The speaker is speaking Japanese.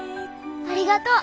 ありがとう。